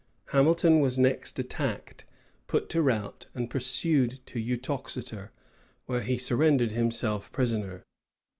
Hamilton was next attacked, put to rout, and pursued to Utoxeter, where he surrendered himself prisoner.